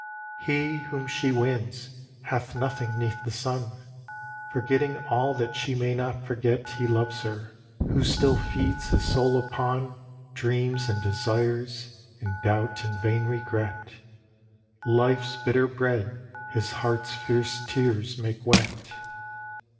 He, whom she wins, hath nothing 'neath the sun; Forgetting all that she may not forget He loves her, who still feeds his soul upon Dreams and desires, and doubt and vain regret, Life's bitter bread his heart's fierce tears make wet.